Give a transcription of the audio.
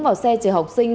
vào xe chở học sinh